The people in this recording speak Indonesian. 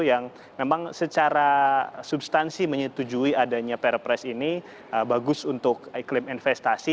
yang memang secara substansi menyetujui adanya perpres ini bagus untuk iklim investasi